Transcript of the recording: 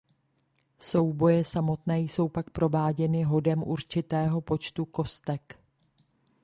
Souboje samotné jsou pak prováděny hodem určitého počtu kostek.